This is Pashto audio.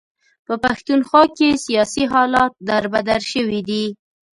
په پښتونخوا کې سیاسي حالات در بدر شوي دي.